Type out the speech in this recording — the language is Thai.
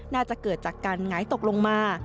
น่าจะเกิดจากการหงายตกลงมา